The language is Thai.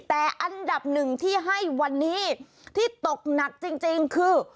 แต่อันดับหนึ่งที่ให้วันนี้ที่ตกหนักจริงคือ